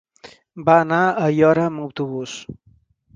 Va anar a Aiora amb autobús.